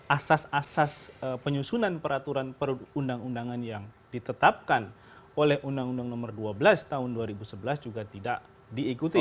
asas asas penyusunan peraturan perundang undangan yang ditetapkan oleh undang undang nomor dua belas tahun dua ribu sebelas juga tidak diikuti